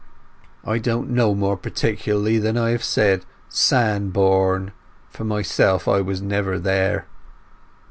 "I don't know more particularly than I have said—Sandbourne. For myself, I was never there."